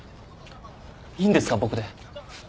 いいんですか僕で？